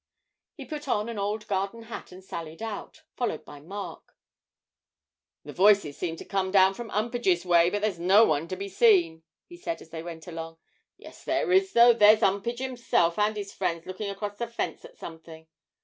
He put on an old garden hat and sallied out, followed by Mark: 'The voices seem to come down from 'Umpage's way, but there's no one to be seen,' he said, as they went along. 'Yes, there is, though; there's 'Umpage himself and his friends looking across the fence at something!